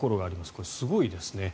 これ、すごいですね。